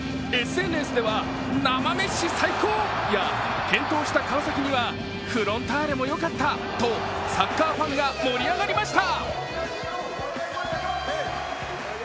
ＳＮＳでは、生メッシ最高！や健闘した川崎にはフロンターレもよかったとサッカーファンが盛り上がりました。